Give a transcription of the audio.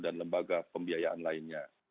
dan lembaga pembiayaan lainnya